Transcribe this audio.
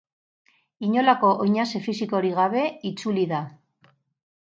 Inolako oinaze fisikorik gabe itzuli da.